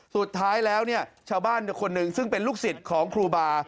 สุดท้ายแล้วเนี่ยชาวบ้านคนหนึ่งซึ่งเป็นลูกศิษย์ของครูบา